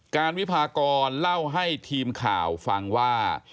การวิพากรเล่าให้ทีมข่าวฟังว่า